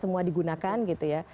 semua digunakan gitu ya